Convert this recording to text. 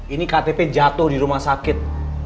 ini ktp jatuh di rumah sakit